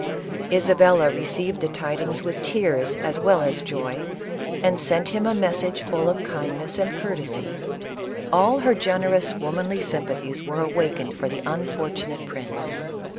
Isabella received the tidings with tears as well as joy, and sent him a message full of kindness and cour 94 ISABELLA OF CASTILE. tesy ; all her generous womanly sympathies were awakened for the unfortunate prince.